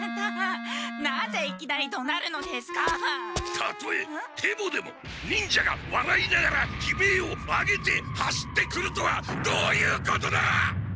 たとえヘボでも忍者がわらいながら悲鳴を上げて走ってくるとはどういうことだっ！？